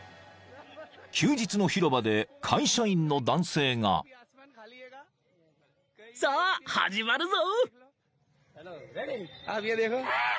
［休日の広場で会社員の男性が］さあ始まるぞ。